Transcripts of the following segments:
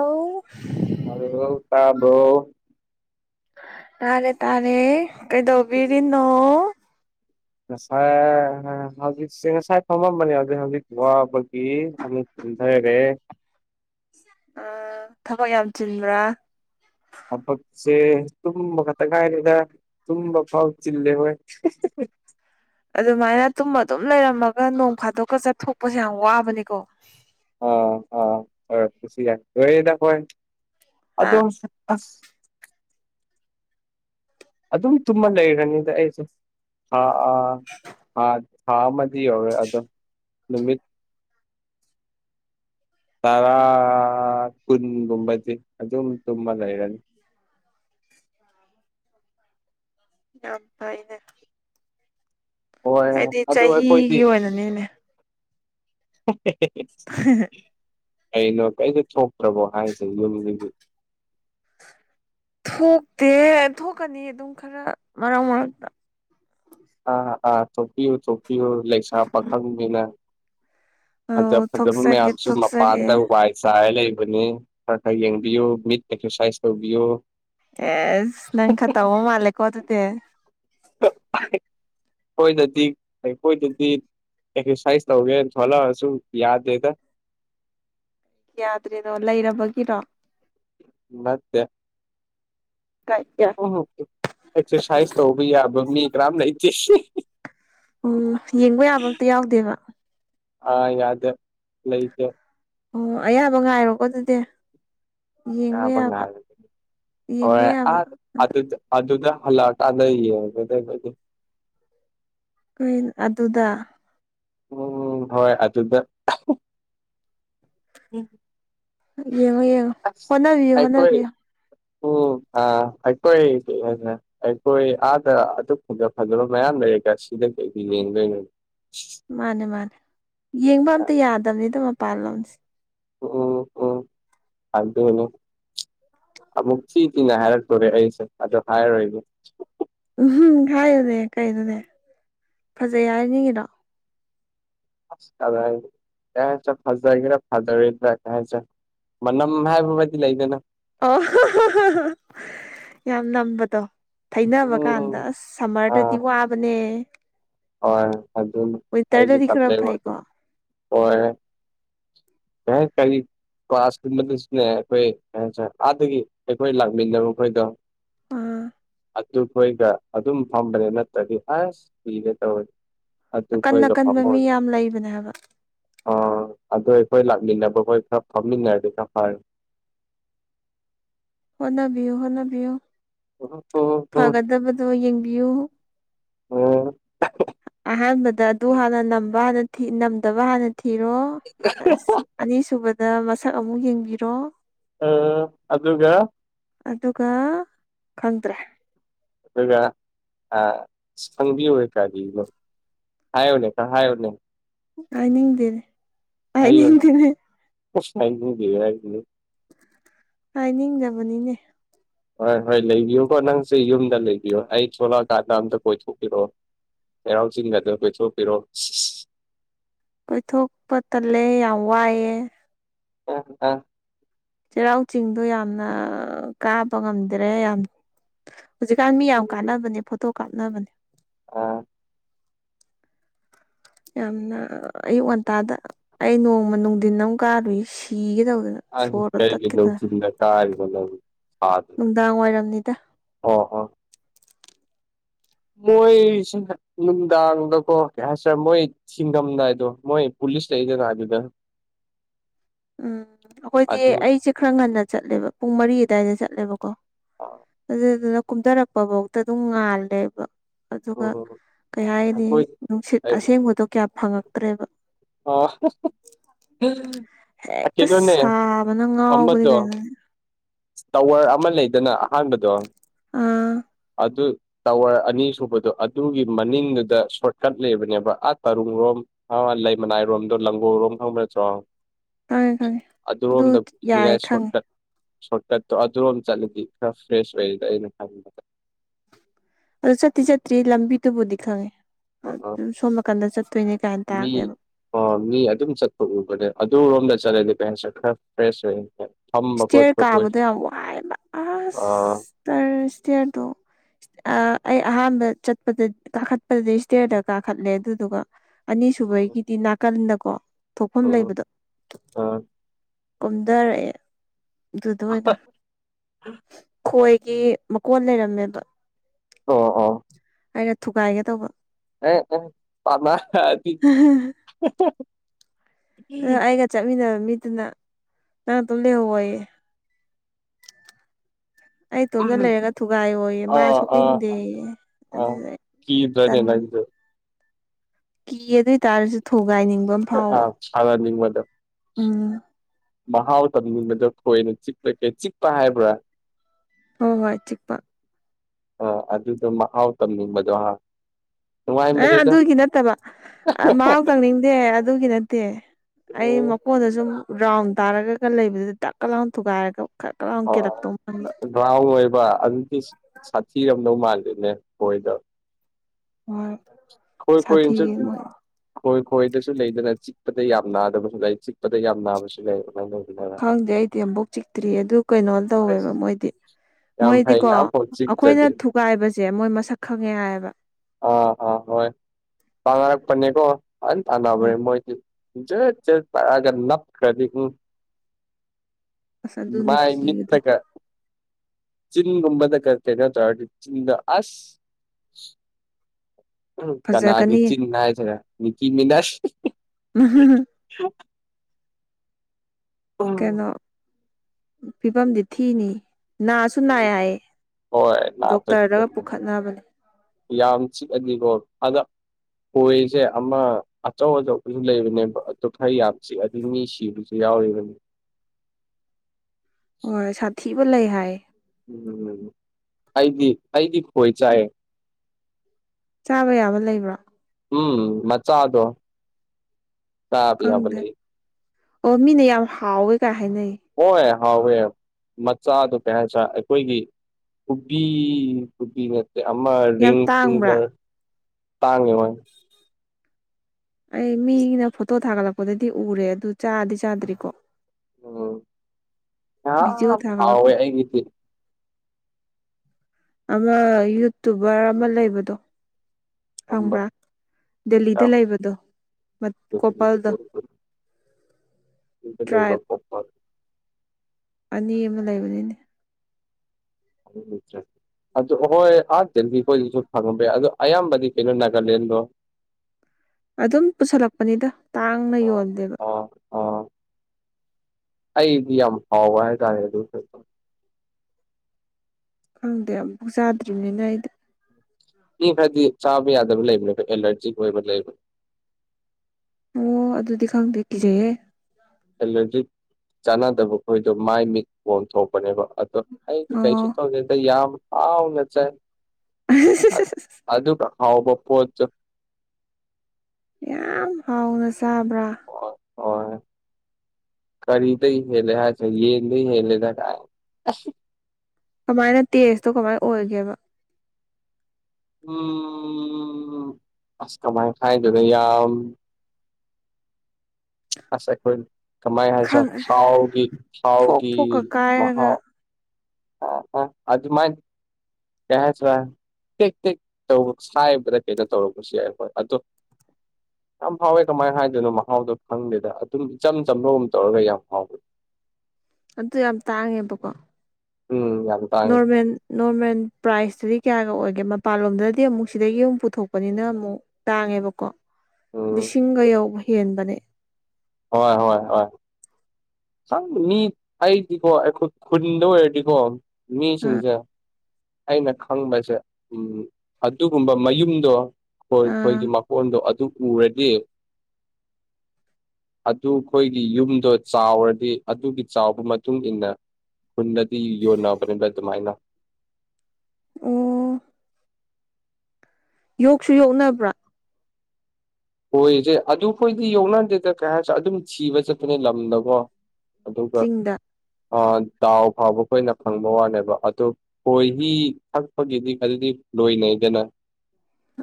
ꯑꯧ ꯍꯜꯂꯣ ꯇꯥꯕ꯭ꯔꯣ ꯇꯥꯔꯦ ꯇꯥꯔꯦ ꯀꯩꯗꯧꯕꯤꯔꯤꯅꯣ ꯉꯁꯥꯏ ꯍꯧꯖꯤꯛꯁꯦ ꯉꯁꯥꯏ ꯐꯝꯃꯝꯕꯅꯦ ꯍꯧꯖꯤꯛ ꯍꯧꯖꯤꯛ ꯋꯥꯕꯒꯤ ꯑꯃꯨꯛ ꯇꯨꯝꯖꯟ [inaudible] ꯑꯥ ꯊꯕꯛ ꯌꯥꯝ ꯆꯤꯟꯕ꯭ꯔꯥ ꯊꯕꯛꯁꯦ ꯇꯨꯝꯕ ꯈꯛꯇ ꯉꯥꯏꯔꯦꯗ ꯇꯨꯝꯕ ꯐꯥꯎ ꯆꯤꯜꯂꯦ ꯑꯩꯈꯣꯏ ꯑꯗꯨꯃꯥꯏꯅ ꯇꯨꯝꯃ ꯑꯗꯨꯝ ꯂꯩꯔꯝꯃꯒ ꯅꯣꯡ ꯐꯥꯗꯣꯛꯀ ꯆꯠꯊꯣꯛꯄꯁꯦ ꯌꯥꯝ ꯋꯥꯕꯅꯤꯀꯣ ꯑꯥ ꯑꯥ ꯐꯔꯛꯄꯁꯨ ꯌꯥꯏꯗ ꯍꯥ ꯑꯗꯣꯝꯁꯨ ꯑꯁ ꯑꯗꯨꯝ ꯇꯨꯝꯃ ꯂꯩꯔꯅꯤꯗ ꯑꯩꯁꯨ ꯑꯥ ꯑꯥ ꯊꯥ ꯊꯥ ꯑꯃꯗꯤ ꯌꯧꯔꯛꯑꯕꯅꯦ ꯅꯨꯃꯤꯠ ꯇꯔꯥꯔꯥꯔꯥ ꯀꯨꯟꯒꯨꯝꯕꯗꯤ ꯑꯗꯨꯝ ꯇꯨꯝꯃ ꯂꯩꯔꯅꯤ ꯌꯥꯝ ꯐꯩꯅꯦ ꯍꯣꯏ ꯍꯥꯏꯗꯤ ꯑꯗꯨ ꯑꯩꯈꯣꯏꯗꯤ ꯆꯍꯤꯒꯤ ꯑꯣꯏꯅ ꯅꯤꯅꯦ INAUDIBLE ꯀꯩꯅꯣ ꯀꯩꯝꯇ ꯊꯣꯛꯇ꯭ꯔꯕꯣ ꯍꯥꯏꯖꯦ ꯌꯨꯝꯗꯒꯤ ꯊꯣꯛꯇꯦꯑꯦ ꯊꯣꯛꯀꯅꯤ ꯑꯗꯨꯝ ꯈꯔ ꯃꯔꯛ- ꯃꯔꯛꯇ ꯑꯥ ꯑꯥ ꯊꯣꯛꯄꯤꯌꯨ ꯊꯣꯛꯄꯤꯌꯨ ꯂꯩꯁꯥ- ꯄꯈꯪꯅꯤꯅꯥ ꯑꯣ ꯐꯖ-ꯐꯖꯕ ꯊꯣꯛꯆꯒꯦ ꯃꯌꯥꯝꯁꯨ ꯊꯣꯛꯆꯒꯦ ꯃꯄꯥꯟꯗ ꯋꯥꯏ ꯆꯥꯏꯔ ꯂꯩ ꯕꯅꯤ ꯈꯔ ꯈꯔ ꯌꯦꯡꯕꯤꯌꯨ ꯃꯤꯠ ꯑꯦꯛꯁꯔꯁꯥꯏꯖ ꯇꯧꯕꯤꯌꯨ ꯑꯦꯁ ꯅꯪ ꯈꯔ ꯇꯧꯕ ꯃꯥꯜꯂꯦ ꯀꯣ ꯑꯗꯨꯗꯤ ꯑꯩꯈꯣꯏꯅꯗꯤ-ꯑꯩꯈꯣꯏꯗꯗꯤ ꯑꯦꯛꯁꯔꯁꯥꯏꯖ ꯇꯧꯒꯦꯅ ꯊꯣꯛꯂꯛ ꯑꯖꯨ ꯌꯥꯗꯦꯗ ꯌꯥꯗ꯭ꯔꯤꯔꯣ ꯂꯩꯔꯕꯒꯤꯔꯣ ꯅꯠꯇꯦ ꯑꯣ ꯍꯣ ꯑꯦꯛꯁꯔꯁꯥꯏꯖ ꯇꯧꯕ ꯌꯥꯕ ꯃꯤ ꯀꯅꯥꯝ ꯂꯩꯇꯦ ꯁꯦ ꯎꯪꯎꯪ ꯌꯦꯡꯕ ꯌꯥꯕ ꯑꯝꯇ ꯌꯥꯎꯗꯦꯕ ꯑꯥ ꯌꯥꯗꯦ- ꯂꯩꯇꯦ ꯑꯣ ꯑꯌꯥꯕ ꯉꯥꯏꯔꯣꯀꯣ ꯑꯗꯨꯗꯤ ꯌꯦꯡꯕ ꯌꯥꯕ UNINTELLIGIBLE ꯌꯦꯡꯕ ꯌꯥꯕ UNINTELLIGIBLE ꯑꯗꯨꯗ ꯎꯪꯎꯪ ꯍꯣꯏ ꯑꯗꯨꯗ ꯌꯦꯡꯉꯣ- ꯌꯦꯡꯉꯣ ꯑꯁ ꯍꯣꯠꯅꯕꯤꯌꯨ- ꯑꯩꯈꯣꯏ ꯍꯣꯠꯅꯕꯤꯌꯨ ꯎꯝ ꯑꯥ ꯑꯩꯈꯣꯏ ꯑꯩꯈꯣꯏ ꯑꯥꯗ ꯑꯗꯨꯛ ꯐꯖ-ꯐꯖꯕ ꯃꯌꯥꯝ ꯂꯩꯌꯦꯗ ꯁꯤꯗꯒꯤ ꯀꯩ-ꯀꯩ ꯌꯦꯡꯗꯣꯏꯅꯣ ꯃꯥꯅꯦ ꯃꯥꯅꯦ ꯌꯦꯡꯕ ꯑꯝꯇ ꯌꯥꯗꯕꯅꯤꯗ ꯃꯄꯥꯜ ꯂꯣꯝꯁꯦ ꯎꯝ ꯎꯝ INAUDIBLE ꯑꯗꯨꯅꯤ ꯑꯃꯨꯛ ꯊꯤ ꯊꯤꯅ ꯍꯥꯏꯔꯛꯇꯣꯔꯦ ꯑꯩꯁꯦ ꯑꯗꯨ ꯍꯥꯏꯔꯔꯣꯏꯒꯦ ꯎꯝ ꯍꯥꯏꯌꯨꯅꯦ ꯀꯩꯅꯣꯅꯦ ꯐꯖꯩ ꯍꯥꯏꯅꯤꯡꯉꯤꯔꯣ ꯑꯥꯁ ꯀꯔꯥꯏꯗꯩ ꯌꯔꯦꯁꯦ ꯐꯒꯦꯔ- ꯐꯖꯔꯣꯏꯗ꯭ꯔꯥ ꯃꯅꯝ ꯍꯥꯏꯕꯃꯗꯤ ꯂꯩꯗꯅ ꯑꯣ ꯌꯥꯝ ꯅꯝꯕꯗꯣ ꯊꯩꯅꯕ ꯎꯝ ꯀꯥꯟꯗ ꯑꯥꯁ ꯁꯥꯝꯃꯔꯗꯗꯤ ꯑꯥ ꯋꯥꯕꯅꯦ ꯍꯣꯏ ꯑꯗꯨꯅꯤ ꯑꯩꯗꯤ ꯋꯤꯟꯇꯔꯗꯗꯤ ꯈꯔ ꯇꯥꯜꯂꯦꯕꯗꯨ ꯐꯩꯀꯣ ꯍꯣꯏ UNINTELLIGIBLE ꯀ꯭ꯂꯥꯁꯀꯨꯝꯕꯗꯁꯨꯅꯦ ꯑꯩꯈꯣꯏ ꯑꯥꯗꯒꯤ ꯑꯩꯈꯣꯏ ꯂꯥꯛꯃꯤꯟꯅꯕ ꯃꯈꯩꯗꯣ ꯑꯥ ꯑꯗꯨꯈꯣꯏꯒ ꯑꯗꯨꯝ ꯐꯝꯕꯅꯦ ꯅꯠꯇ꯭ꯔꯗꯤ ꯑꯥꯁ ꯁꯤꯒꯦ ꯇꯧꯋꯦ ꯑꯀꯟ ꯑꯗꯨꯈꯣꯏꯒ ꯑꯀꯟꯕ ꯃꯤ ꯐꯥꯝꯕꯑꯣꯏꯕꯅꯦ ꯌꯥꯝ ꯂꯩꯕꯅꯦ ꯍꯥꯏꯕ ꯑ ꯥꯑꯗꯣꯏ ꯑꯩꯈꯣꯏ ꯂꯥꯛꯃꯤꯟꯅꯕ ꯑꯩꯈꯣꯏ ꯈꯔ ꯐꯥꯝꯃꯤꯟꯅꯔꯗꯤ ꯈꯔ ꯐꯔꯦ ꯍꯣꯠꯅꯕꯤꯌꯨ- ꯍꯣꯠꯅꯕꯤꯌꯨ INAUDIBLE ꯐꯒꯗꯕꯗꯣ ꯌꯦꯡꯕꯤꯌꯨ INAUDIBLE ꯑꯍꯥꯟꯕꯗ ꯑꯗꯨ ꯍꯥꯟꯅ ꯅꯝꯕ ꯍꯥꯟꯅ ꯊꯤ ꯅꯥꯝꯗꯕ ꯍꯥꯟꯅ ꯊꯤꯔꯣ ꯑꯁ ꯑꯅꯤꯁꯨꯕꯗ ꯃꯁꯛ ꯑꯃꯨꯛ ꯌꯦꯡꯕꯤꯔꯣ ꯑ ꯑꯗꯨꯒ ꯑꯗꯨꯒ ꯈꯪꯗ꯭ꯔꯦ ꯑꯗꯨꯒ ꯑꯥ ꯏꯁ ꯈꯪꯕꯤꯌꯣ ꯀꯔꯤꯅꯣ ꯍꯥꯏꯌꯣꯅꯦ ꯈꯥ ꯍꯥꯏꯌꯣꯅꯦ ꯑꯥꯏꯅꯤꯡꯗꯦꯅꯦ ꯍꯥꯏꯌꯨꯅꯦ ꯄꯥꯏꯅꯤꯡꯗꯦꯅꯦ [unintelligible] ꯍꯥꯏꯅꯤꯡꯗꯕꯅꯤꯅꯦ ꯍꯣꯏ ꯍꯣꯏ ꯂꯩꯕꯤꯌꯨꯀꯣ ꯅꯪꯁꯦ ꯌꯨꯝꯗ ꯂꯩꯕꯤꯌꯣ ꯑꯩ ꯊꯣꯂꯥꯀꯥꯟꯗ ꯑꯝꯇ ꯀꯣꯏꯊꯣꯛꯄꯤꯔꯛꯑꯣ ꯍꯩꯔꯥꯎ ꯆꯤꯡꯒꯗꯨ ꯀꯣꯏꯊꯣꯄꯤꯔꯣ ꯀꯣꯏꯊꯣꯛꯄ ꯇꯜꯂꯦ ꯌꯥꯝ ꯋꯥꯏꯑꯦ ꯑꯦ ꯑꯥ ꯆꯩꯔꯥꯎ ꯆꯤꯡꯗꯣ ꯌꯥꯝꯅ ꯀꯥꯕ ꯉꯝꯗ꯭ꯔꯦ ꯌꯥꯝ ꯍꯧꯖꯤꯛꯀꯥꯟ ꯃꯤ ꯌꯥꯝ ꯀꯥꯅꯕꯅꯦ ꯐꯣꯇꯣ ꯀꯥꯞꯅꯕꯅꯦ ꯑꯥ ꯌꯥꯝꯅ ꯑꯌꯨꯛ ꯉꯟꯇꯥꯗ ꯑꯩ ꯅꯣꯡꯃ ꯅꯨꯡꯊꯤꯟ ꯑꯝ ꯀꯥꯔꯨꯏ ꯁꯤꯒꯦ ꯇꯧꯗꯅ ꯑꯩ ꯁꯣꯔꯒ ꯀꯩꯒꯤ ꯇꯠꯀꯦ ꯇꯧꯋꯦ ꯅꯨꯡꯊꯤꯟꯗ ꯀꯥꯔꯤꯕ ꯅꯪ ꯁꯥꯗ꯭ꯔ ꯅꯨꯡꯗꯥꯡ ꯋꯥꯏꯔꯝꯅꯤ ꯑꯣ ꯑꯣ ꯃꯣꯏꯁꯤ ꯅꯨꯡꯗꯥꯡꯗꯀꯣ ꯀꯩ ꯍꯥꯏꯁꯦꯔꯦ ꯃꯣꯏ ꯊꯤꯡꯉꯝꯗꯥꯏꯗꯣ ꯃꯣꯏ ꯄꯨꯂꯤꯁ ꯂꯩ ꯖꯒꯥꯗꯨꯗ ꯑꯗꯨꯗ ꯎꯝ ꯑꯩꯈꯣꯏꯗꯤ ꯑꯗꯨ ꯑꯩꯁꯦ ꯈꯔ ꯉꯟꯅ ꯆꯠꯂꯦꯕ ꯄꯨꯡ ꯃꯔꯤ ꯑꯗꯥꯏꯗ ꯆꯠꯂꯦꯕꯀꯣ ꯑꯗꯨꯗꯨꯅ ꯀꯨꯝꯊꯔꯛꯄ ꯐꯧꯗ ꯑꯗꯨꯝ ꯉꯥꯜꯂꯦꯕ ꯑꯗꯨꯒ ꯎꯝ ꯀꯩ ꯍꯥꯏꯅꯤ ꯑꯩꯈꯣꯏ ꯅꯨꯡꯁꯤꯠ ꯑꯁꯦꯡꯕꯗꯣ ꯀꯌꯥ ꯐꯪꯉꯛꯇ꯭ꯔꯦꯕ ꯑꯣ ꯍꯦꯛꯇ ꯁꯥꯕꯅ ꯉꯥꯎꯕꯅꯤ ꯑꯃꯗꯣ ꯀꯩꯅꯣ ꯇꯋꯔ ꯑꯃ ꯂꯩꯗꯅ ꯑꯍꯥꯟꯕꯗꯣ ꯑꯥ ꯑꯗꯨ ꯇꯋꯔ ꯑꯅꯤ ꯁꯨꯕꯗꯣ ꯑꯗꯨꯒꯤ ꯃꯅꯤꯡꯗꯨꯗ ꯁꯣꯔꯠꯀꯠ ꯂꯩꯕꯅꯦꯕ ꯑꯥ ꯇꯔꯨꯡꯔꯣꯝ ꯑꯋ ꯂꯩ ꯃꯅꯥꯏꯔꯣꯝꯗꯣ ꯂꯪꯒꯣꯔꯣꯝ ꯈꯪꯕꯔ ꯇ꯭ꯔꯣ ꯈꯪꯉꯦ ꯈꯪꯉꯦ ꯑꯗꯨ ꯑꯗꯨꯔꯣꯝꯗ ꯌꯥꯏ ꯅꯤꯡꯉꯥꯏ ꯈꯪꯉꯦ ꯁꯣꯔꯠꯇ ꯁꯣꯔꯠꯀꯠꯇꯣ ꯑꯗꯨꯔꯣꯝ ꯆꯠꯂꯗꯤ ꯈꯔ ꯐ꯭ꯔꯦꯁ ꯑꯣꯏꯗ ꯑꯩꯅ ꯈꯟꯕꯗ ꯑꯗꯨ ꯆꯠꯇꯤ ꯆꯠꯇꯔꯤ ꯂꯝꯕꯤ ꯇꯨꯕꯨꯗꯤ ꯈꯪꯉꯦ ꯑ ꯑ ꯑꯗꯨ ꯁꯣꯝ ꯅꯀꯟꯗ ꯆꯠꯇꯣꯏꯅꯦ ꯀꯥꯏꯅ ꯃꯤ ꯇꯥꯛꯑꯦꯕ ꯑꯣ ꯃꯤ ꯑꯗꯨꯝ ꯆꯠꯄ ꯎꯕꯅꯦ ꯑꯗꯨꯔꯣꯝꯗ ꯆꯠꯂꯗꯤ ꯄꯦꯁ ꯈꯔ ꯐ꯭ꯔꯦꯁ ꯑꯣꯏ ꯐꯝꯕ ꯏꯁꯇꯤꯌꯔ ꯈꯣꯠꯄ ꯈꯣꯏ ꯀꯥꯕꯗꯣ ꯌꯥꯝ ꯋꯥꯏꯕ ꯑꯁ ꯑ ꯇꯔ ꯏꯁꯇꯤꯌꯔꯗꯣ ꯑꯥ ꯑꯩ ꯑꯍꯥꯟꯕ ꯆꯠꯄꯗꯠ ꯀꯥꯈꯠꯄꯗꯗꯤ ꯇ꯭ꯤꯔꯗ ꯀꯥꯈꯠꯂꯦ ꯑꯗꯨꯗꯨꯒ ꯑꯅꯤꯁꯨꯕꯒꯤꯗꯤ ꯅꯥꯀꯟꯗꯀꯣ ꯊꯣꯛꯐꯝ ꯎꯝ ꯂꯩꯕꯗꯣ ꯑ ꯀꯨꯝꯗꯔꯛꯑꯦ ꯑꯗꯨꯗ ꯑꯣꯏꯅ ꯈꯣꯏꯒꯤ ꯃꯀꯣꯟ ꯂꯩꯔꯝꯃꯦꯕ ꯑꯣ ꯑꯣ ꯑꯩꯅ ꯊꯨꯒꯥꯏꯒꯦ ꯇꯧꯕ [unintelligible] ꯑꯗ ꯑꯩꯒ ꯆꯠꯃꯤꯟꯅꯕ ꯃꯤꯗꯨꯅ ꯅꯪ ꯅꯇꯣꯝ ꯂꯩꯍꯧꯑꯣꯌꯦ ꯑꯩꯇꯣꯝꯇ ꯂꯩꯔꯒ ꯊꯨꯒꯥꯏꯑꯣꯌꯦ ꯃꯥ ꯁꯣꯛꯅꯤꯡꯗꯦꯌꯦ ꯑꯥ ꯑꯗꯨꯗ ꯀꯤꯗ꯭ꯔꯅꯦ ꯅꯪꯗꯤ ꯀꯤꯌꯦ ꯑꯗꯨ ꯑꯣꯏꯇꯥꯔꯖꯨ ꯊꯨꯒꯥꯏꯅꯤꯡꯕ ꯑꯃ ꯑ ꯐꯥꯎꯕ ꯁꯥꯟꯅꯅꯤꯡꯕꯗꯣ ꯎꯝ ꯃꯍꯥꯎ ꯇꯝꯅꯤꯡꯕꯗꯣ ꯈꯣꯏꯅ ꯆꯤꯛꯄ ꯀꯩ ꯆꯤꯛꯄ ꯍꯥꯏꯕ꯭ꯔꯥ ꯍꯣꯏ ꯍꯣꯏ ꯆꯤꯛꯄꯥ ꯑꯣ ꯑꯗꯨꯗꯣ ꯃꯍꯥꯎ ꯇꯝꯅꯤꯡꯕꯗꯣ ꯍꯥ ꯅꯥ ꯅꯨꯡꯉꯥꯏꯕꯅꯤꯗ ꯑꯗꯨꯒꯤ ꯅꯠꯇꯕ ꯑꯥ ꯃꯍꯥꯎ ꯇꯪꯅꯤꯡꯗꯦ ꯑꯗꯨꯒꯤ ꯅꯠꯇꯦ ꯑꯩ ꯎꯝ ꯃꯀꯣꯟꯗ ꯁꯨꯝ ꯔꯥꯎꯟ ꯇꯥꯔꯒꯒ ꯂꯩꯕꯗꯨꯗ ꯗꯛ ꯀ ꯂꯥꯎꯟ ꯊꯨꯒꯥꯏꯔꯒ ꯈꯛ ꯂꯥꯎ ꯑꯣ ꯀꯦꯜꯂꯛꯇꯧ ꯃꯥꯟꯕ ꯔꯥꯎꯟ ꯑꯣꯏꯕ ꯑꯗꯨꯗꯤ ꯁ ꯁꯥꯊꯤꯔꯝꯗꯧ ꯃꯥꯜꯂꯤ [unintelligible] ꯍꯣꯏ ꯈꯣꯏ ꯈꯣꯏ ꯁꯥꯊꯤ [unintelligible] ꯃꯣꯏ ꯈꯣꯏ ꯈꯣꯏꯗꯁꯨ ꯂꯩꯗꯅ ꯆꯤꯛ ꯄꯗ ꯌꯥꯝ ꯅꯥꯗꯕꯁꯨ ꯂꯩꯥ ꯆꯤꯛꯄꯗ ꯌꯥꯝ ꯅꯥꯕꯁꯨ ꯂꯩ ꯑꯗꯨꯃꯥꯏꯟ ꯂꯩ ꯈꯪꯗꯦ ꯑꯩꯗꯤ ꯑꯝꯕꯥꯎ ꯆꯤꯛꯇ꯭ꯔꯤ ꯑꯗꯨ ꯀꯩꯅꯣ ꯇꯧꯋꯦꯕ ꯃꯣꯏꯗꯤ ꯌꯥꯝ ꯃꯣꯏꯗꯤꯀꯣ ꯐꯩꯅꯦ ꯑꯝꯐꯥꯎ ꯑꯈꯣꯏꯅ ꯆꯤꯛꯇ꯭ꯔꯗꯤ ꯊꯨꯒꯥꯏꯕꯁꯦ ꯃꯣꯏ ꯃꯁꯛ ꯈꯪꯉꯦ ꯍꯥꯏꯌꯦꯕ ꯑꯥ ꯑꯥ ꯍꯣꯏ ꯄꯥꯡꯉꯛꯄꯅꯦꯀꯣ ꯐꯖꯟ ꯇꯥꯅꯕꯌꯦ ꯍꯣꯏ ꯃꯣꯏꯗꯤ ꯖꯦꯠ ꯖꯦꯠ ꯇꯥꯔꯛꯑꯒ ꯅꯞꯈ꯭ꯔꯗꯤ ꯎꯝ ꯑꯁ ꯑꯗꯨꯅꯦ ꯃꯥꯥꯏ ꯀꯤꯕꯗꯣ ꯃꯤꯠꯇꯒ ꯆꯤꯟꯒꯨꯝꯕꯗꯒ ꯀꯩꯅꯣ ꯇꯧꯔꯗꯤ ꯆꯤꯟꯗꯣ ꯑꯁ ꯀꯅꯥꯒꯤ ꯐꯖꯒꯅꯤ ꯆꯤꯟ ꯍꯥꯢꯗꯨꯔꯥ ꯃꯤꯀꯤ ꯃꯤꯅꯥꯁ [unintelligible] ꯀꯩꯅꯣ ꯐꯤꯕꯝꯗꯤ ꯊꯤꯅꯤ ꯅꯥꯁꯨ ꯅꯥꯢ ꯎꯝ ꯍꯥꯢꯌꯦ ꯍꯣꯏ ꯅꯥꯗ꯭ꯔꯗꯤ ꯗꯣꯛꯇ꯭ꯔꯗꯒ ꯄꯨꯈꯠꯅꯕꯅꯦ ꯌꯥꯝ ꯆꯤꯛꯑꯗꯤꯀꯣ ꯑꯗꯥ ꯈꯣꯏꯖꯦ ꯑꯃ ꯑꯆꯧ ꯑꯆꯧꯕꯖꯨ ꯂꯩꯕꯅꯦꯕ ꯑꯗꯨ ꯈꯔ ꯌꯥꯝ ꯆꯤꯛꯑꯗꯤ ꯃꯤ ꯁꯤꯕ ꯌꯥꯎꯔꯤꯕꯅꯤ ꯍꯣꯏ ꯁꯥꯊꯤꯕ ꯂꯩ ꯍꯥꯏ ꯎꯝ ꯑꯩꯗꯤ ꯑꯩꯗꯤ ꯈꯣꯏ ꯆꯥꯏ ꯆꯥꯕ ꯌꯥꯕ ꯂꯩꯕ꯭ꯔꯣ ꯎꯝ ꯃꯆꯥꯗꯣ ꯆꯥꯕ ꯌꯥꯕ ꯈꯪꯗꯦ ꯂꯩ ꯑꯣ ꯃꯤꯅ ꯌꯥꯝ ꯍꯥꯎꯋꯦ ꯀꯥꯏ ꯍꯥꯏꯅꯩ ꯍꯣꯏ ꯍꯥꯎꯋꯦ ꯃꯆꯥꯗꯣ ꯀꯩ ꯍꯥꯏꯁꯤꯔꯦ ꯑꯈꯣꯏꯒꯤ ꯈꯨꯕꯤ ꯈꯨꯕꯤ ꯅꯠ ꯇꯦ ꯑꯃ ꯌꯥꯝ ꯔꯤꯡ ꯇꯥꯡꯕ꯭ꯔꯥ ꯐꯤꯡꯒꯔ ꯇꯥꯡꯉꯤ ꯍꯣꯏ ꯑꯩ ꯃꯤꯅ ꯐꯣꯇꯣ ꯊꯥꯒꯠꯂꯛꯄꯗꯗꯤ ꯎꯔꯦ ꯑꯗꯨ ꯆꯥꯗꯤ ꯆꯥꯗ꯭ꯔꯤꯀꯣ ꯎꯝ ꯚꯤꯗꯤꯑꯣ ꯌꯥꯝ ꯊꯥꯒꯠꯂꯛꯄ ꯍꯥꯎꯋꯦ ꯑꯩꯒꯤꯗꯤ ꯑꯃ ꯌꯨꯇꯨꯕꯔ ꯑꯃ ꯂꯩꯕꯗꯣ ꯊꯝꯕ ꯈꯪꯕ꯭ꯔꯥ ꯗꯦꯜꯂꯤꯗ ꯌꯥꯝ ꯂꯩꯕꯗꯣ ꯃꯠ ꯀꯣꯄꯜꯗꯣ ꯂꯤꯗ ꯂꯩꯕ ꯇ꯭ꯔꯥꯏꯞ ꯀꯣꯄꯜ ꯑꯅꯤ ꯑꯃ ꯂꯩꯕꯅꯤꯅꯦ ꯑꯅꯤ ꯂꯩꯇ꯭ꯔꯦ ꯑꯗꯨ ꯍꯣꯏ ꯑꯥ ꯗꯦꯜꯂꯤ ꯈꯣꯏꯗꯖꯨ ꯐꯪꯉꯝꯕ ꯌꯥꯢ ꯑꯗꯣ ꯑꯌꯥꯝꯕꯗꯤ ꯀꯩꯅꯣ ꯅꯥꯒꯥꯂꯦꯟꯗꯣ ꯑꯗꯨꯝ ꯄꯨꯁꯜꯂꯛꯄꯅꯤꯗ ꯇꯥꯡꯅ ꯌꯣꯟꯗꯦꯕ ꯑꯣ ꯑꯩꯗꯤ ꯌꯥꯝ ꯍꯥꯎꯕ ꯍꯥꯏꯇꯥꯔꯦ ꯑꯗꯨ ꯄꯣꯠꯇꯣ ꯈꯪꯗꯦ ꯑꯃꯨꯛꯐꯥꯎ ꯆꯥꯗ꯭ꯔꯤꯝꯅꯤꯅ ꯑꯩꯗꯤ ꯃꯤ ꯈꯔꯗꯤ ꯆꯥꯕ ꯌꯥꯗꯕ ꯂꯩꯕꯅꯦ ꯑꯦꯂꯔꯖꯤꯛ ꯑꯣꯏꯕ ꯂꯩꯕ ꯑꯣ ꯑꯗꯨꯗꯤ ꯈꯪꯗꯦ ꯀꯤꯖꯩꯍꯦ ꯑꯦꯂꯔꯖꯤꯛ ꯆꯥꯟꯅꯗꯕ ꯈꯣꯏꯗꯣ ꯃꯥꯏ ꯃꯤꯠ ꯄꯣꯝꯊꯣꯛꯄꯅꯦꯕ ꯑꯗꯣ ꯑꯩꯗꯤ ꯑꯣ ꯀꯩꯁꯨꯛ ꯇꯧꯗꯦꯗ ꯌꯥꯝ ꯍꯥꯎꯅ ꯆꯥꯏ ꯑ ꯑꯗꯨꯒ ꯍꯥꯎꯕ ꯄꯣꯠꯆ ꯌꯥꯝ ꯍꯥꯎꯅ ꯆꯥꯕ꯭ꯔꯥ ꯍꯣꯏ ꯀꯔꯤꯗꯩ ꯍꯦꯜꯂꯦ ꯍꯥꯏꯁꯤꯔ ꯌꯦꯟꯗꯩ ꯍꯦꯜꯂꯦꯗ ꯀꯥꯏ ꯑꯁ ꯀꯃꯥꯏꯅ ꯇꯦꯁꯇꯣ ꯀꯃꯥꯏꯅ ꯑꯣꯏꯒꯦꯕ ꯎꯝ ꯑꯁ ꯀꯃꯥꯏ ꯍꯥꯏꯗꯣꯏꯅꯣ ꯌꯥꯝ ꯑꯁ ꯑꯩꯈꯣꯏ ꯀꯃꯥꯏ ꯍꯥꯏꯁꯤꯔꯥ ꯈꯪ ꯊꯥꯎꯒꯤ ꯐꯣꯛ ꯊꯥꯎꯒꯤ ꯐꯣꯛꯀ ꯀꯥꯏꯔꯒ ꯃꯍꯥꯎ ꯑ ꯑ ꯑꯗꯨꯃꯥꯏ ꯀꯩꯍꯥꯏꯁꯤꯔꯥ ꯇꯦꯛ ꯇꯦꯛ ꯇꯧꯕ ꯁꯥꯏꯕꯗ ꯀꯩꯅꯣ ꯇꯧꯔꯛꯄꯁꯨ ꯌꯥꯏ ꯍꯣꯏ ꯑꯗꯣ ꯌꯥꯝ ꯍꯥꯎꯋꯦ ꯀꯃꯥꯏꯅ ꯍꯥꯏꯗꯣꯏꯅꯣ ꯃꯍꯥꯎꯗꯣ ꯈꯪꯗꯦꯗ ꯑꯗꯨꯝ ꯏꯆꯝ ꯆꯝꯕꯒꯨꯝ ꯇꯧꯔꯒ ꯌꯥꯝ ꯍꯥꯎꯋꯦ ꯑꯗꯨ ꯌꯥꯝ ꯇꯥꯡꯉꯦꯕꯀꯣ ꯎꯝ ꯌꯥꯝ ꯇꯥꯡꯉꯦ ꯅꯣꯔꯃꯦꯜ ꯅꯣꯔꯃꯦꯜ ꯄ꯭ꯔꯥꯏꯁꯇꯗꯤ ꯀꯌꯥꯒ ꯑꯣꯏ ꯀꯦ ꯃꯄꯥꯟꯂꯣꯝꯗꯗꯤ ꯑꯃꯨꯛ ꯁꯤꯗꯒꯤ ꯑꯃꯨꯛ ꯄꯨꯊꯣꯛꯄꯅꯤꯅ ꯑꯃꯨꯛ ꯇꯥꯡꯉꯦꯕꯀꯣ ꯎꯝ ꯂꯤꯁꯤꯡꯒ ꯌꯧꯕ ꯍꯦꯟꯕꯅꯦ ꯍꯣꯏ ꯍꯣꯏ ꯍꯣꯏ ꯈꯪ ꯃꯤ ꯑꯩꯗꯤꯀꯣ ꯑꯩꯈꯣꯏ ꯈꯨꯟꯗ ꯑꯣꯏꯔꯗꯤꯀꯣ ꯑꯥ ꯃꯤꯁꯤꯡꯖꯦ ꯑꯩꯅ ꯈꯪꯕꯁꯦ ꯎꯝ ꯑꯗꯨꯒꯨꯝꯕ ꯃꯌꯨꯝꯗꯣ ꯈꯣꯏ ꯑꯥ ꯈꯣꯏꯒꯤ ꯃꯀꯣꯟꯗꯣ ꯑꯗꯨꯝ ꯎꯔ ꯗꯤ ꯑꯗꯨ ꯈꯣꯏꯒꯤ ꯌꯨꯝꯗꯣ ꯆꯥꯎꯔꯗꯤ ꯑꯗꯨꯒꯤ ꯆꯥꯎꯕ ꯃꯇꯨꯡꯏꯟꯅ ꯈꯨꯟꯗꯗꯤ ꯌꯣꯟꯅꯕꯅꯦꯕ ꯑꯗꯨꯃꯥꯏꯅ ꯑꯣ ꯌꯣꯛꯁꯨ ꯌꯣꯛꯅꯕ꯭ꯔꯥ ꯍꯣꯏꯖꯦ ꯑꯗꯨ ꯍꯣꯏꯗꯤ ꯌꯣꯛꯅꯗꯦꯗ ꯀꯩ ꯍꯥꯏꯁꯤꯔ ꯑꯗꯨꯝ ꯊꯤꯕ ꯆꯠꯄꯅꯦ ꯂꯝꯗꯀꯣ ꯆꯤꯡꯗ ꯑꯥ ꯗꯥꯎ ꯐꯕꯈꯣꯏꯅ ꯐꯪꯕ ꯋꯥꯅꯦꯕ ꯑꯗꯨ ꯀꯣꯏꯍꯤ ꯊꯛꯄꯒꯤꯗꯤ ꯑꯗꯨꯗꯤ ꯂꯣꯏꯅꯩꯗꯅ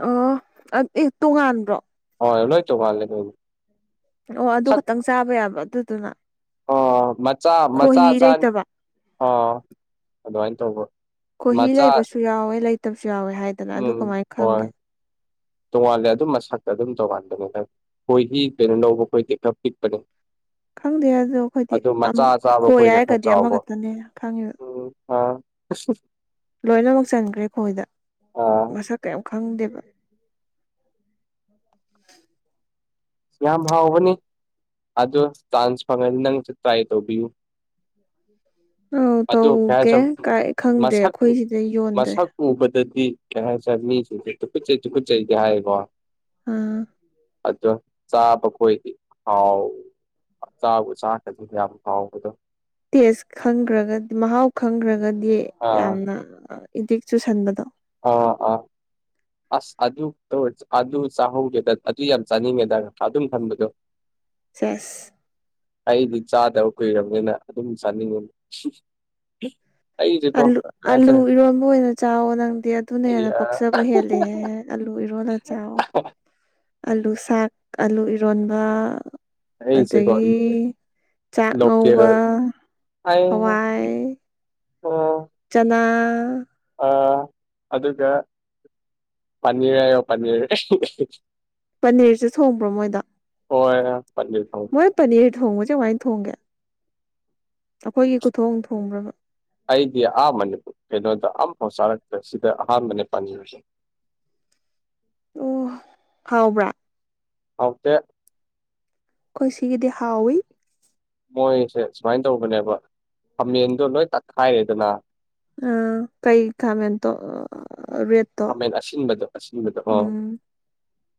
ꯑꯣ ꯑꯥ ꯑꯦ ꯇꯣꯉꯥꯟꯕ꯭ꯔꯣ ꯍꯣꯏ ꯂꯣꯏ ꯇꯣꯉꯥꯜꯂꯦꯗ ꯑꯣ ꯑꯗꯨ ꯈꯛꯇꯪ ꯆꯥꯕ ꯌꯥꯕ ꯑꯗꯨꯗꯨꯅ ꯑꯣ ꯃꯆꯥ ꯃꯆꯥ ꯈꯣꯍꯤ ꯆꯥꯟ ꯂꯩꯇꯕ ꯑꯣ ꯑꯗꯨꯃꯥꯏꯟ ꯈꯣꯍꯤ ꯂꯩꯕꯁꯨ ꯌꯥꯎꯋꯦ ꯂꯩꯇꯕꯁꯨ ꯌꯥꯎꯋꯦ ꯍꯥꯏꯗꯅ ꯑꯗꯨ ꯀꯃꯥꯏ ꯈꯪꯒꯦ ꯇꯣꯉꯥꯜꯂꯦ ꯑꯗꯨꯝ ꯃꯁꯛꯇ ꯑꯗꯨꯝ ꯇꯣꯉꯥꯟꯕꯅꯤꯅ ꯈꯣꯏꯍꯤ ꯀꯩꯅꯣ ꯂꯧꯕ ꯈꯣꯏꯗꯤ ꯈꯔ ꯄꯤꯛ ꯄꯅꯦ ꯈꯪꯗꯦ ꯑꯗꯣ ꯑꯩꯈꯣꯏꯗꯤ ꯑꯝ ꯆꯥꯕ ꯈꯣꯏ ꯍꯥꯏꯔꯒꯗꯤ ꯑꯃꯈꯛꯇꯅꯦ ꯈꯪꯉꯤꯕ ꯈꯣꯏ ꯐꯥ ꯂꯣꯏꯅꯃꯛ ꯆꯟꯈ꯭ꯔꯦ ꯈꯣꯏꯗ ꯑꯥ ꯃꯁꯛ ꯀꯩꯝ ꯈꯪꯗꯦꯕ ꯌꯥꯝ ꯍꯥꯎꯕꯅꯤ ꯑꯗꯨ ꯆꯥꯟꯁ ꯐꯪꯉꯅꯤ ꯅꯪꯁꯨ ꯇ꯭ꯔꯥꯏ ꯇꯧꯕꯤꯌꯨ ꯑꯧ ꯑꯗꯨ ꯇꯧꯒꯦ ꯀꯍꯥꯏꯁꯝ ꯀꯥꯏ ꯈꯪꯗꯦ ꯃꯁꯛ ꯑꯩꯈꯣꯏ ꯁꯤꯗ ꯌꯣꯟꯗꯦ ꯃꯁꯛ ꯎꯕꯗꯗꯤ ꯀꯩ ꯍꯥꯏꯁꯦꯔ ꯃꯤꯁꯤꯡꯁꯦ ꯇꯨꯀꯆꯩ ꯇꯨꯀꯆꯩꯗꯤ ꯍꯥꯏꯑꯕꯣ ꯎꯝ [unintelligible] ꯇꯦꯁ ꯈꯪꯒꯔꯒ ꯗꯤ ꯃꯍꯥꯎ ꯈꯪꯈ꯭ꯔꯒꯗꯤ ꯑꯥ ꯌꯥꯝꯅ ꯏꯗꯤꯛ ꯆꯨꯁꯟꯕꯗꯣ ꯑꯥ ꯑꯥ ꯑꯁ ꯑꯗꯨ ꯇꯧ ꯑꯗꯨ ꯆꯥꯍꯧꯒꯦꯗ ꯑꯗꯨ ꯌꯥꯝ ꯆꯥꯅꯤꯡꯉꯦꯗ ꯑꯗꯨꯝ ꯈꯟꯕꯗꯣ ꯆꯦꯁ ꯑꯩꯗꯤ ꯆꯥꯗꯕ ꯀꯨꯏꯔꯝꯅꯤꯅ ꯑꯗꯨꯝ ꯆꯥꯅꯤꯡꯉꯤ ꯑꯩꯁꯦꯀꯣ ꯑꯂꯨ ꯀꯩ ꯑꯥꯂꯨ ꯍꯥꯏꯇꯥꯔꯦ ꯏꯔꯣꯟꯕ ꯑꯣꯏꯅ ꯆꯋꯣ ꯅꯪꯗꯤ ꯑꯗꯨꯅ ꯑꯩ ꯍꯦꯟꯅ ꯑꯥ ꯄꯥꯛꯆꯕ ꯍꯦꯜꯂꯦ ꯍꯦ ꯑꯂꯨ ꯏꯔꯣꯜꯂ ꯆꯥꯎ ꯑꯂꯨ ꯁꯥꯛ ꯑꯂꯨ ꯏꯔꯣꯟꯕ ꯑꯩꯁꯦꯀꯣ ꯑꯗꯩꯩ ꯆꯥꯛ ꯂꯣꯀꯦꯜ ꯉꯧꯕ ꯑꯩ ꯍꯋꯥꯏ ꯆꯅꯥ ꯑꯥ ꯑꯗꯨꯒ ꯄꯟꯅꯤꯔ ꯍꯥꯌꯣ ꯄꯟꯅꯤꯔ ꯄꯅꯤꯔꯁꯨ ꯊꯣꯡꯕ꯭ꯔꯣ ꯃꯣꯏꯗꯣ ꯍꯣꯏ ꯄꯅꯤꯔ ꯊꯣꯡ ꯃꯣꯏ ꯄꯔꯅꯤꯔ ꯊꯣꯡꯕꯁꯦ ꯀꯃꯥꯏ ꯊꯣꯡꯒꯦ ꯑꯩꯈꯣꯏꯒꯤ ꯈꯨꯊꯣꯡ ꯊꯣꯡꯕ꯭ꯔꯕ ꯑꯩꯗꯤ ꯑ ꯃꯅꯤꯄꯨꯔ ꯀꯩꯅꯣꯗ ꯑꯝꯐꯥꯎ ꯆꯥꯔꯛꯇꯦ ꯁꯤꯗ ꯑꯍꯥꯟꯕꯅꯦ ꯄꯔꯅꯤꯔꯁꯦ ꯑꯣ ꯍꯥꯎꯕ꯭ꯔꯥ ꯍꯥꯎꯇꯦ ꯈꯣꯢ ꯁꯤꯒꯤꯗꯤ ꯍꯥꯎꯋꯤ ꯃꯣꯏꯁꯦ ꯁꯨꯃꯥꯏ ꯇꯧꯕꯅꯦꯕ ꯈꯥꯃꯦꯟꯗꯣ ꯂꯣꯏ ꯇꯛꯈꯥꯏꯔꯦꯗꯅ ꯎꯝ ꯀꯩ ꯈꯥꯃꯦꯟ ꯇꯣ ꯈꯥꯃꯦꯟ ꯑꯁꯤꯟꯕꯗꯣ ꯑꯁꯤꯟꯕꯗꯣ ꯑ ꯎꯝ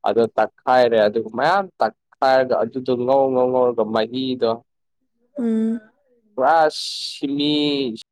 ꯑꯗꯣ ꯇꯛꯈꯥꯏꯔꯦ ꯑꯗꯨꯒ ꯃꯌꯥꯝ ꯇꯛꯈꯥꯏꯔꯒ ꯑꯗꯨꯗꯣ ꯉꯧ ꯉꯧ ꯉꯧꯔꯒ ꯃꯍꯤꯗꯣ ꯎꯝ ꯄꯨꯔꯥ ꯁꯤꯅꯤ